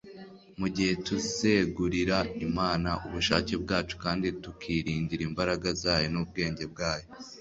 Mu gihe tuzegurira Imana ubushake bwacu kandi tukiringira imbaraga zayo n’ubwenge bwayo,